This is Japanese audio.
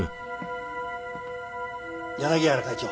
柳原会長。